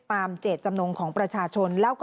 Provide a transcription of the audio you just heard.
เจตจำนงของประชาชน